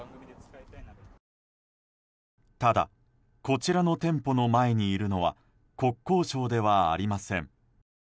ただこちらの店舗の前にいるのは国交省ではありません。